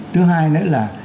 thứ hai nữa là